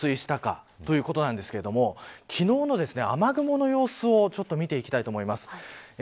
ここまで増水したかということなんですが昨日の雨雲の様子を見ていきたいと思います。